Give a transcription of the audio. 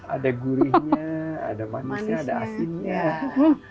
ada gurihnya ada manisnya ada asinnya